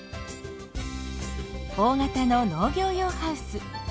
大型の農業用ハウス。